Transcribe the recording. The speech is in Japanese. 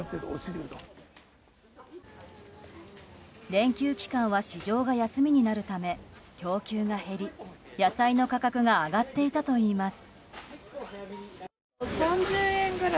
連休期間は市場は休みになるため供給が減り、野菜の価格が上がっていたといいます。